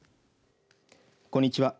こんにちは。